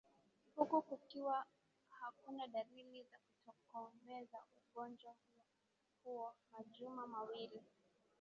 huku kukiwa hakuna dalili za kutokomeza ugonjwa huo majuma mawili